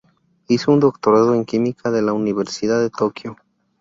Hizo un doctorado en Química de la Universidad de Tokio.